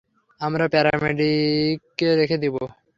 আমরা প্যারামেডিককে রেখে দেব।